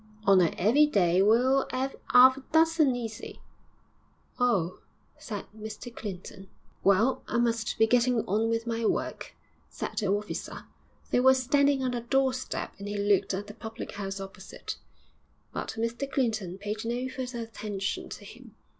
on a 'eavy day we'll 'ave 'alf a dozen, easy.' 'Oh!' said Mr Clinton. 'Well, I must be getting on with my work,' said the officer they were standing on the doorstep and he looked at the public house opposite, but Mr Clinton paid no further attention to him.